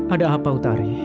ada apa utari